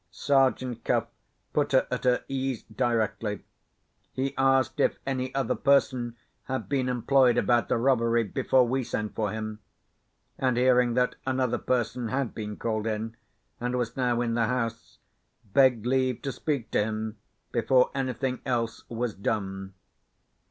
Sergeant Cuff put her at her ease directly. He asked if any other person had been employed about the robbery before we sent for him; and hearing that another person had been called in, and was now in the house, begged leave to speak to him before anything else was done.